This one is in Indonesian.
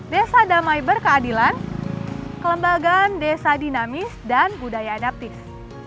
desa damai berkeadilan kelembagaan desa dinamis dan budaya adaptif